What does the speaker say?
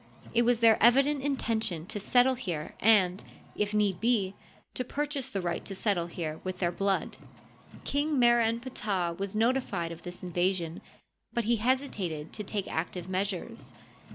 It was their evident intention to settle here and, if need be, to purchase the right to settle here with their blood. King Mer en Ptah was notified of this invasion, but he hesitated to take active measures.